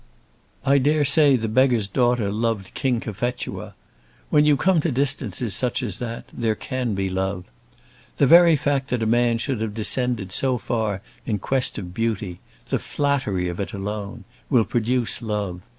"I dare say the beggar's daughter loved King Cophetua. When you come to distances such as that, there can be love. The very fact that a man should have descended so far in quest of beauty, the flattery of it alone, will produce love.